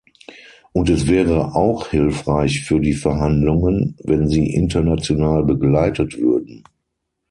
Und es wäre auch hilfreich für die Verhandlungen, wenn sie international begleitet würden.